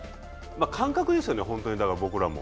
感覚ですよね、本当にだから僕らも。